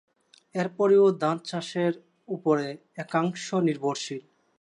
এরপরেও ধান চাষের ওপরে একাংশ নির্ভরশীল।